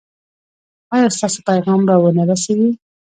ایا ستاسو پیغام به و نه رسیږي؟